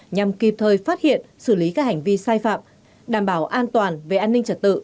nhằm kịp thời phát hiện xử lý các hành vi sai phạm đảm bảo an toàn về an ninh trật tự